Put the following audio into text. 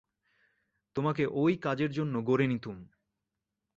তোমাকে ঐ কাজের জন্য গড়ে নিতুম।